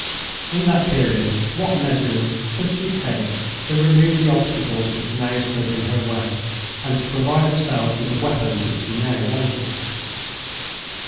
In that period what measures could she take to remove the obstacles which now stood in her way, and to provide herself with the weapons which she now wanted?